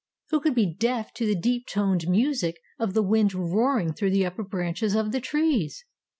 Who could be deaf to the deep toned music of the wind roaring through the upper branches of the trees!